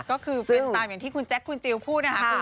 ก็คือเป็นตามอย่างที่คุณแจ๊คคุณจิลพูดนะคะ